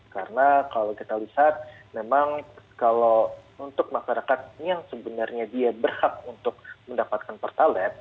karena kalau kita lihat memang kalau untuk masyarakat yang sebenarnya dia berhak untuk mendapatkan pertalat